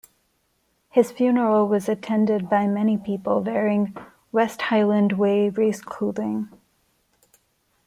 His funeral was attended by many people wearing West Highland Way Race clothing.